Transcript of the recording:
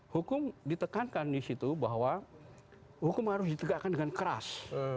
hukum ditekankan di situ bahwa hukum harus ditegakkan dengan keras